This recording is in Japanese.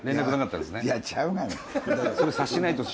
いやちゃうがな。